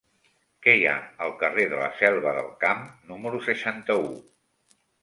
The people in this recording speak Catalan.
Què hi ha al carrer de la Selva del Camp número seixanta-u?